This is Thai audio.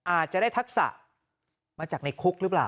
อาจจะได้ทักษะมาจากในคุกหรือเปล่า